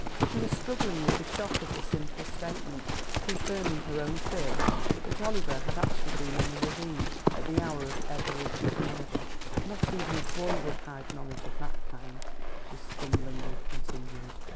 She was struggling with the shock of the simple statement, confirming her own fears that Oliver had actually been in the ravine at the hour of Etheridge's murder. "Not even a boy would hide knowledge of that kind," she stumblingly continued.